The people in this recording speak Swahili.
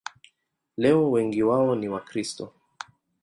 Leo wengi wao ni Wakristo.